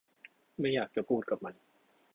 ไม่อยากจะพูดกับมัน